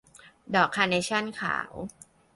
ดอกคาร์เนชั่นขาว